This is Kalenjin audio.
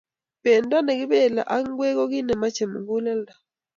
Pendo ne kipelei ak ngwek ko kit nemachei muguleldo